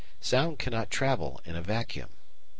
Sound cannot travel in a vacuum.